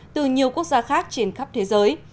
từ nhiều quốc gia khác trên khắp thế giới